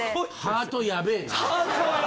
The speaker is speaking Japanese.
ハートやべぇな。